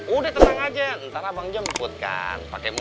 udah tenang aja ntar abang jemputkan pake mobil